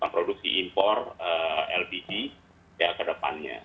produksi impor lpg ya ke depannya